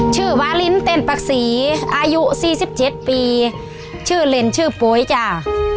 ชื่อวาลิ้นเต้นปรักษีอายุ๔๗ปีชื่อเล็นชื่อปุ๋ยจ้ะ